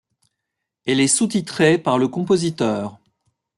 Elle est sous-titrée par le compositeur.